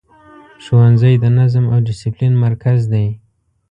ښوونځی د نظم او دسپلین مرکز دی.